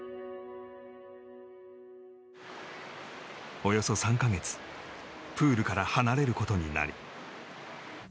およそ３か月プールから離れることになる。